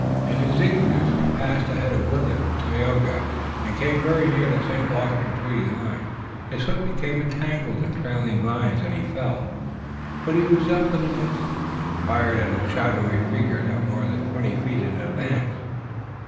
In his eagerness he passed ahead of Willet and Tayoga and came very near to St. Luc's retreating line. His foot became entangled in trailing vines and he fell, but he was up in an instant, and he fired at a shadowy figure not more than twenty feet in advance.